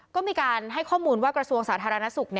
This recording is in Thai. ก็มีการให้ข้อมูลว่ากระทรวงสาธารณสุข